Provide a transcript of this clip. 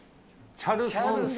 チャルソンス。